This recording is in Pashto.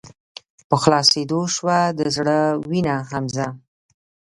په خلاصيدو شــوه د زړه وينه حمزه